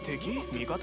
味方？